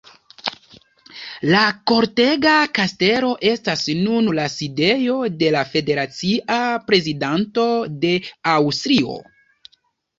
La Kortega Kastelo estas nun la sidejo de la federacia prezidento de Aŭstrio.